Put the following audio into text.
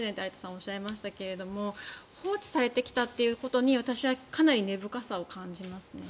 おっしゃいましたが放置されてきたことに私はかなり根深さを感じます。